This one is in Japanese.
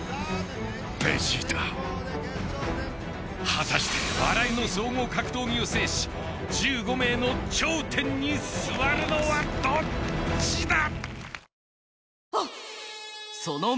果たして笑いの総合格闘技を制し１５名の頂点に座るのはどっちだ？